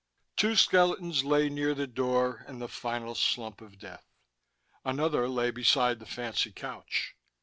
Two skeletons lay near the door, in the final slump of death. Another lay beside the fancy couch.